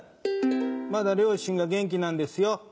まだ両親が元気なんですよ。